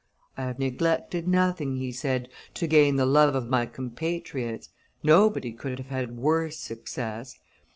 "I have neglected nothing," he said, "to gain the love of my compatriots; nobody could have had worse success.